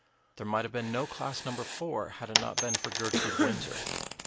There might have been no class number four had it not been for Gertrude Windsor.